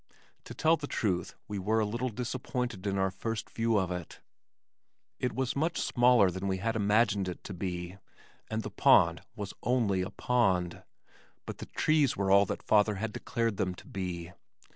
To tell the truth, we were a little disappointed in our first view of it. It was much smaller than we had imagined it to be and the pond was ONLY a pond, but the trees were all that father had declared them to be.